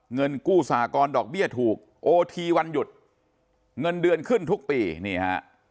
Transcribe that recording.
เงินกู้สหกรณ์ดอกเบี้ยถูกโอทีวันหยุดเงินเดือนขึ้นทุกปีนี่ฮะ